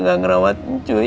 kalau mau ngerawat cuy